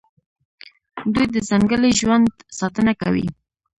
دوی د ځنګلي ژوند ساتنه کوي.